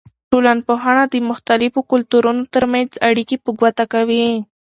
ټولنپوهنه د مختلفو کلتورونو ترمنځ اړیکې په ګوته کوي.